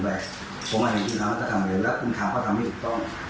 ผมไม่เห็นว่าคุณทำอะไรจะทำเร็วแล้วแล้วคุณถามว่าทำไม่ถูกต้อง